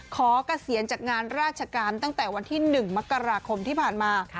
เกษียณจากงานราชการตั้งแต่วันที่๑มกราคมที่ผ่านมา